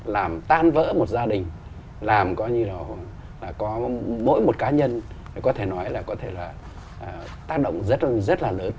làm tan vỡ một gia đình làm có mỗi một cá nhân có thể nói là tác động rất là lớn